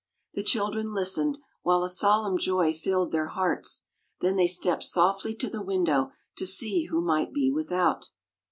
The children listened, while a solemn joy filled their hearts; then they stepped softly to the window to see who might be without.